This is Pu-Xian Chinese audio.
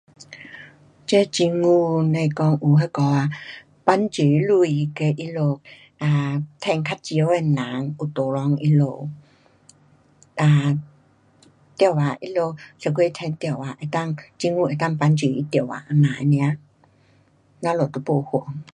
这政府甭讲有那个啊，帮助钱给他们啊赚较少的人。有 tolong 他们。哒多少，他们一月赚多少能够，政府能够帮助他多少。这样尔。咱们都没份。